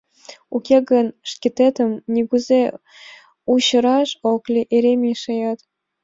Уке гын шкететым нигузе учыраш ок лий, эре мешаят.